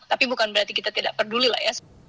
tapi bukan berarti kita tidak peduli lah ya